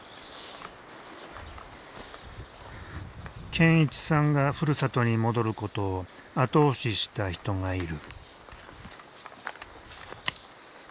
健一さんがふるさとに戻ることを後押しした人がいる。